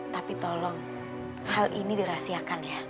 tapi tolong hal ini dirahasiakan ya